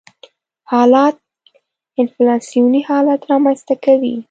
حالت انفلاسیوني حالت رامنځته کوي.